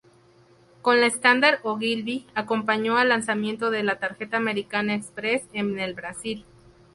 Con la Standard-Ogilvy, acompañó al lanzamiento de la tarjeta American Express en el Brasil.